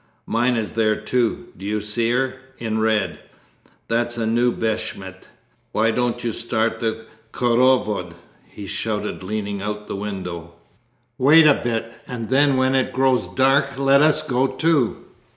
'Mine is there too. Do you see her? in red. That's a new beshmet. Why don't you start the khorovod?' he shouted, leaning out of the window. 'Wait a bit, and then when it grows dark let us go too.